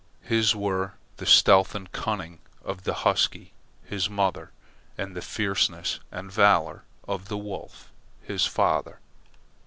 His were the stealth and cunning of the husky, his mother, and the fierceness and valour of the wolf, his father.